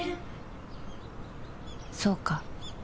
そうか